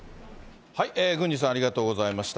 郡司さん、ありがとうございました。